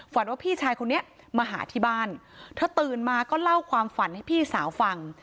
ว่าพี่ชายคนนี้มาหาที่บ้านเธอตื่นมาก็เล่าความฝันให้พี่สาวฟัง